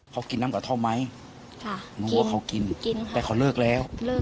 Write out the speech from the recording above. เขากินน้ำกระท่อมไหมค่ะกินแต่เขาเลิกแล้ว